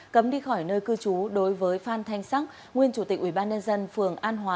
cấm đi khỏi nơi cư trú đối với phan thanh sắc nguyên chủ tịch ubnd phường an hòa